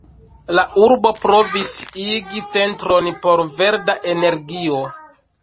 La urbo provis igi centron por verda energio.